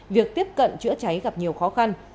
việc tiếp cận chữa cháy gặp nhiều khó khăn